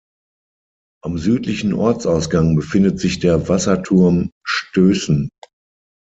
Am südlichen Ortsausgang befindet sich der Wasserturm Stößen.